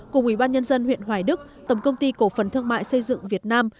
cùng ủy ban nhân dân huyện hoài đức tổng công ty cổ phần thương mại xây dựng việt nam